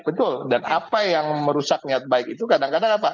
betul dan apa yang merusak niat baik itu kadang kadang apa